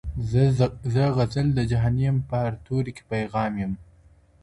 زه غزل د جهاني یم په هر توري کي پیغام یم.